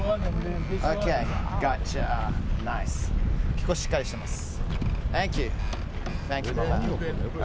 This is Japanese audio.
結構しっかりしてます。